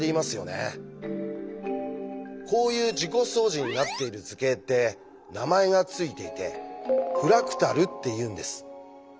こういう自己相似になっている図形って名前が付いていて「フラクタル」っていうんです。